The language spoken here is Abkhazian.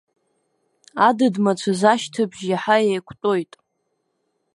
Адыд-мацәыс ашьҭыбжь иаҳа еиқәтәоит.